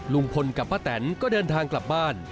ลุงพลกับป้าแตนก็เดินทางกลับบ้าน